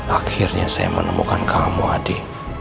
akhirnya saya menemukan kamu adik